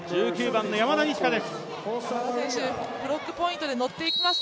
１９番の山田二千華です。